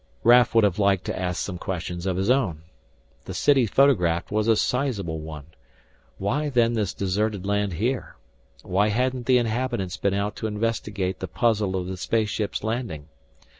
Raf would have liked to ask some questions of his own. The city photographed was a sizable one. Why then this deserted land here? Why hadn't the inhabitants been out to investigate the puzzle of the space ship's landing?